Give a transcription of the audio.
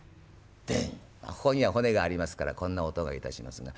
ここには骨がありますからこんな音がいたしますが。